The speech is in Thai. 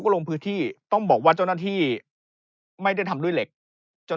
ลงพื้นที่ต้องบอกว่าเจ้าหน้าที่ไม่ได้ทำด้วยเหล็กจน